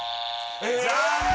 残念！